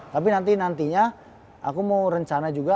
tapi nanti nantinya aku mau rencana juga